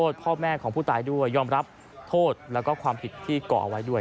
เด็กฟันโบ้นด้วยมีเรื่องไม่เข้าใจขึ้นด้วย